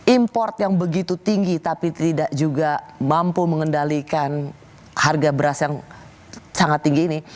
import yang begitu tinggi tapi tidak juga mampu mengendalikan harga beras yang sangat tinggi ini